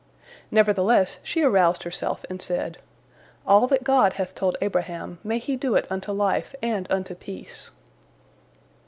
Nevertheless she aroused herself, and said, "All that God hath told Abraham, may he do it unto life and unto peace."